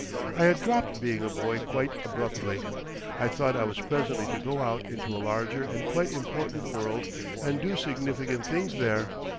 I had dropped being a boy quite abruptly. I thought I was presently to go out into a larger and quite important world and do significant things there.